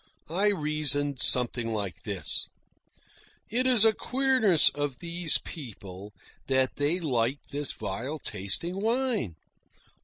I reasoned something like this: It is a queerness of these people that they like this vile tasting wine.